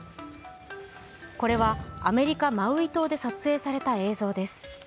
これはアメリカ・マウイ島で撮影された映像です。